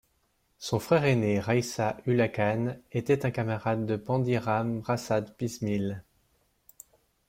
Son frère aîné Riyasat Ullah Khan était un camarade de Pandit Ram Prasad Bismil.